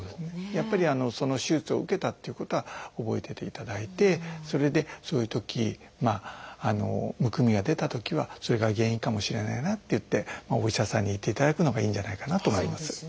やっぱりその手術を受けたっていうことは覚えてていただいてそれでそういうときむくみが出たときはそれが原因かもしれないなっていってお医者さんに行っていただくのがいいんじゃないかなと思います。